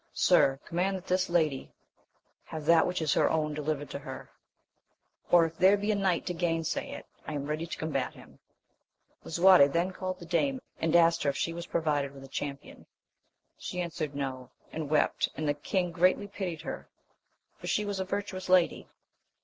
Sir, command that this lady have that which is her own delivered to her; or, if there be a knight to gainsay it, I am ready to combat him. Lisuarte then called the dame, and asked her if she was provided with a champion. She answered. No ; and wept ; and the king greatly pitied her, for she was a virtuous lady.